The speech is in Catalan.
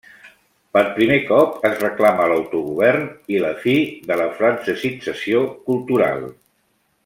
Per primer cop es reclama l'autogovern i la fi de la francesització cultural.